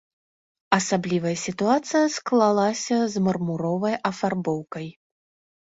Асаблівая сітуацыя склалася з мармуровай афарбоўкай.